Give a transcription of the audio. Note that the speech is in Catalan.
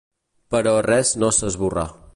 Però res no s'esborrà.